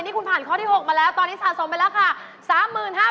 นี่คุณผ่านข้อที่๖มาแล้วตอนนี้สะสมไปแล้วค่ะ